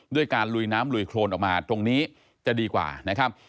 ด้วยการลุยน้ำลุยโครนออกมาตรงนี้จะดีกว่านะครับ